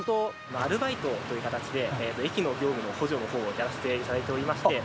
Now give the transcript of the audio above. アルバイトという形で、駅の業務の補助のほうをやらせていただいておりまして。